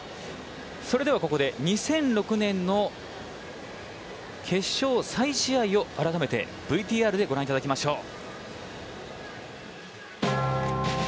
ここで２００６年の決勝再試合をＶＴＲでご覧いただきましょう。